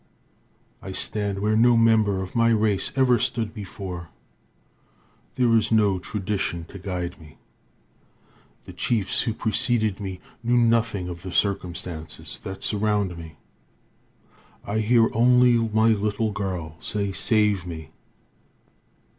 I stand where no member of my race ever stood before. There is no tradition to guide me. The chiefs who preceded me knew nothing of the circumstances that surround me. I hear only my little girl say, "Save me."